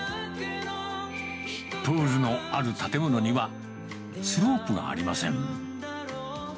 プールのある建物には、スロープがありません。